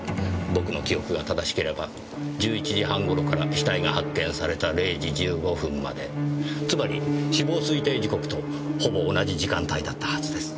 僕の記憶が正しければ１１時半頃から死体が発見された０時１５分までつまり死亡推定時刻とほぼ同じ時間帯だったはずです。